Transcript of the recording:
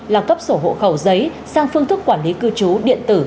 là cấp sổ hộ khẩu giấy sang phương thức quản lý cư trú điện tử